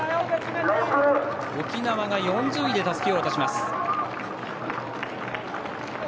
沖縄が４０位でたすきを渡します。